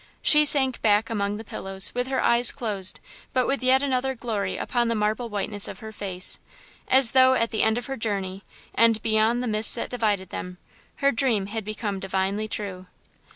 She sank back among the pillows, with her eyes closed, but with yet another glory upon the marble whiteness of her face, as though at the end of her journey, and beyond the mists that divided them, her dream had become divinely true.